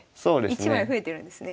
１枚増えてるんですね。